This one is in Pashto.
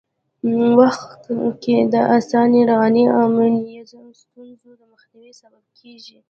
وخت کي د اسانۍ، روانۍ او مانیزو ستونزو د مخنیوي سبب کېږي.